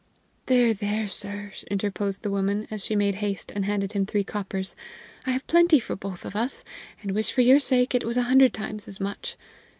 "There, there, sir!" interposed the woman, as she made haste and handed him three coppers; "I have plenty for both of us, and wish for your sake it was a hundred times as much.